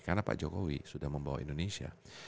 karena pak jokowi sudah membawa indonesia